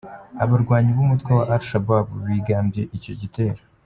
Abarwanyi b’umutwe wa Al Shabaab bigambye icyo gitero.